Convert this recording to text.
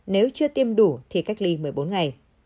nếu chưa tiêm đủ thì cách ly một mươi bốn ngày